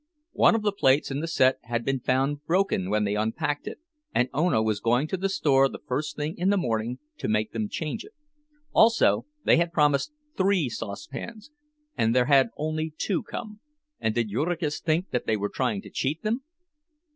One of the plates in the set had been found broken when they unpacked it, and Ona was going to the store the first thing in the morning to make them change it; also they had promised three saucepans, and there had only two come, and did Jurgis think that they were trying to cheat them?